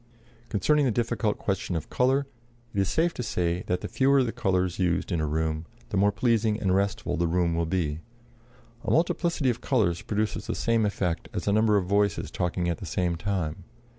Concerning the difficult question of color, it is safe to say that the fewer the colors used in a room, the more pleasing and restful the result will be. A multiplicity of colors produces the same effect as a number of voices talking at the same time.